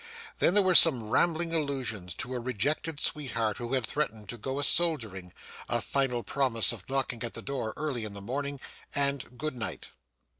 Then there were some rambling allusions to a rejected sweetheart, who had threatened to go a soldiering a final promise of knocking at the door early in the morning and 'Good night.